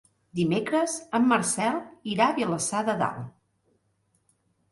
Dimecres en Marcel irà a Vilassar de Dalt.